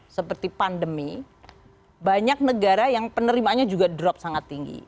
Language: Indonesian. seperti pandemi banyak negara yang penerimaannya juga drop sangat tinggi